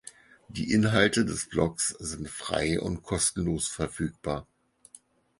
Die Inhalte des Blogs sind frei und kostenlos verfügbar.